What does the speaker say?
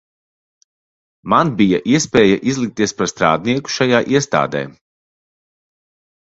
Man bija iespēja izlikties par strādnieku šajā iestādē.